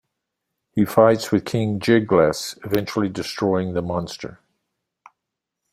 He fights with King Jyglas, eventually destroying the monster.